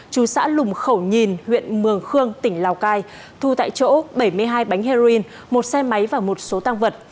chú xã lùng khẩu nhìn huyện mường khương tỉnh lào cai thu tại chỗ bảy mươi hai bánh heroin một xe máy và một số tăng vật